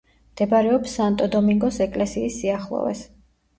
მდებარეობს სანტო-დომინგოს ეკლესიის სიახლოვეს.